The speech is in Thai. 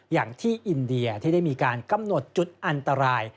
อย่างที่อินเดียที่ได้มีการกำหนดจุดอันตราย